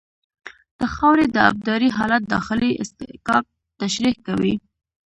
د خاورې د ابدارۍ حالت داخلي اصطکاک تشریح کوي